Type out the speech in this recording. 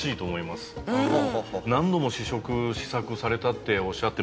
何度も試食試作されたっておっしゃってましたけど。